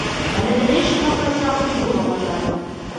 Але далейшага працягу не было, на жаль.